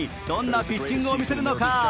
どんなピッチングを見せるのか。